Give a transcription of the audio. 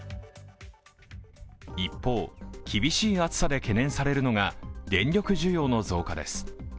一方、厳しい暑さで懸念されるのが電力需要の増加です。